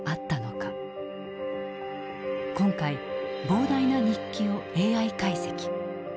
今回膨大な日記をＡＩ解析。